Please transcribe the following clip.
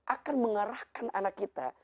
akan mengarahkan anak kita